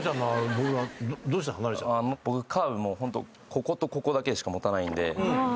僕カーブホントこことここだけしか持たないんで。